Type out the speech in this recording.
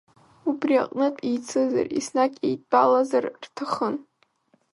Убри аҟнытә еицызар, еснагь еидтәалазар рҭахын.